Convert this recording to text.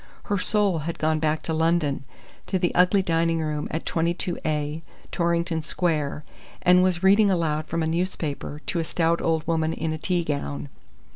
Her soul had gone back to London, to the ugly dining room at 22 A, Torrington Square, and was reading aloud from a newspaper to a stout old woman in a tea gown.